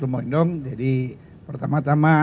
lumoh indung jadi pertama tama